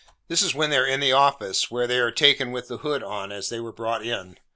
This is when they're in the office, where they are taken with the hood on, as they were brought in.